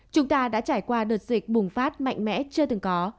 chúng ta đã trải qua đợt dịch bùng phát mạnh mẽ chưa từng có